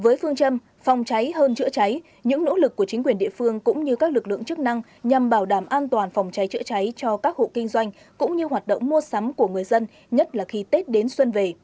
với phương châm phòng cháy hơn chữa cháy những nỗ lực của chính quyền địa phương cũng như các lực lượng chức năng nhằm bảo đảm an toàn phòng cháy chữa cháy cho các hộ kinh doanh cũng như hoạt động mua sắm của người dân nhất là khi tết đến xuân về